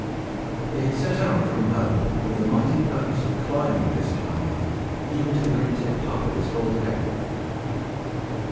They had set out from home with the mighty purpose of climbing this high hill, even to the very tiptop of its bald head.